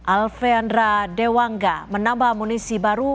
alvendra dewanga menambah munisi baru